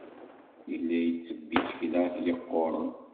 Yella yettebbi isekla yeqquren.